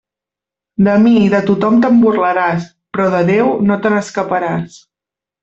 De mi i de tothom te'n burlaràs, però de Déu, no te n'escaparàs.